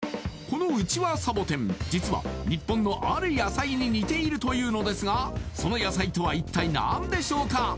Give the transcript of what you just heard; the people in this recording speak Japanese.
このウチワサボテン実は日本のある野菜に似ているというのですがその野菜とは一体何でしょうか？